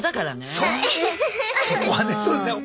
そうですね。